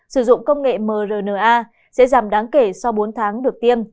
sử dụng công nghệ mrna sẽ giảm đáng kể sau bốn tháng được tiêm